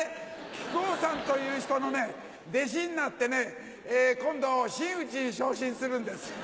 木久扇さんという人のね弟子になってね今度真打ちに昇進するんです。